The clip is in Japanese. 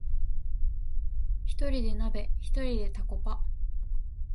ひとりで鍋、ひとりでタコパ